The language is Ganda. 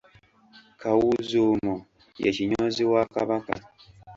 Kawuuzuumo ye kinyoozi wa Kabaka.